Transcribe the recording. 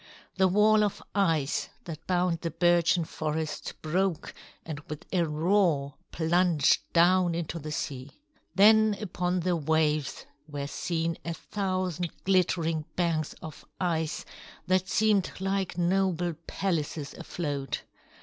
The wall of ice that bound the birchen forest broke and with a roar plunged down into the sea. Then upon the waves were seen a thousand glittering banks of ice that seemed like noble palaces afloat.